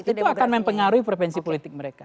itu akan mempengaruhi frevensi politik mereka